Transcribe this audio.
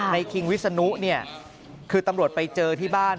นายคิงวิศนุคือตำรวจไปเจอที่บ้าน